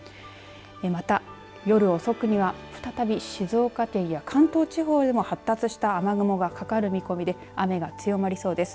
また、夜遅くには再び、静岡県や関東地方でも発達した雨雲がかかる見込みで雨が強まりそうです。